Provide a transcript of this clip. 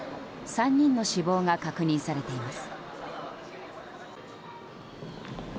３人の死亡が確認されています。